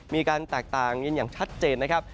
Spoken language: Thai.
มีการแตกต่างกันอย่างชัดเจนนะครับ